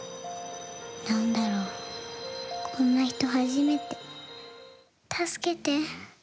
なんだろう、こんな人初めて。助けて！